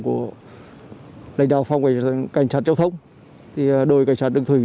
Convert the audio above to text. của lãnh đạo phòng cảnh sát châu thông đối cảnh sát đức thủy